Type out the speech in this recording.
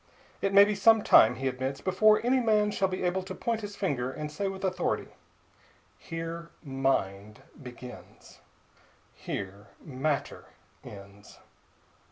It may be some time, he admits, before any man shall be able to point his finger and say with authority, "Here mind begins; here matter ends."